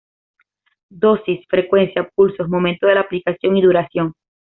Dosis, frecuencia, pulsos, momento de la aplicación, y duración.